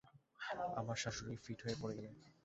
আমার শাশুড়ি ফিট হয়ে পড়ে গেলেন।